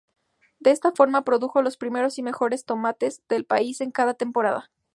De esta forma, produjo “los primeros y mejores tomates del país en cada temporada".